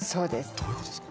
どういうことですか？